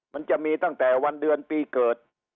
มันจะมีตั้งแต่วันเดือนปีเกิด